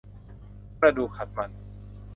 กระดูกขัดมัน